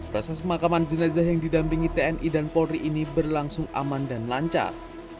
proses pemakaman jenazah yang didampingi tni dan polri ini berlangsung aman dan lancar